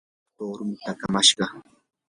waqrayuq tuurun takamashqa.